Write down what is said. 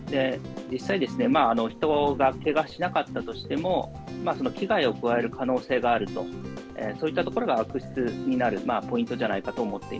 実際、人がけがしなかったとしても、危害を加える可能性があると、そういったところが悪質になるポなるほど。